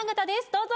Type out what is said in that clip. どうぞ。